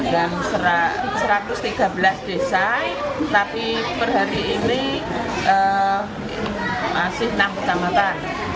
dan satu ratus tiga belas desa tapi perhari ini masih enam kecamatan